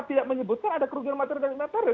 tidak menyebutkan ada kerugian material atau imaterial